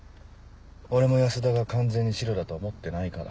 俺も安田が完全にシロだとは思ってないから。